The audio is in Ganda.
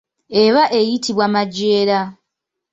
Eba eyitibwa majeera.